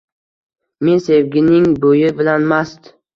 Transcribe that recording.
Men sevgining bo’yi bilan mast.